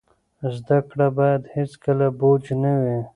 زده کړه باید هیڅکله بوج نه وي.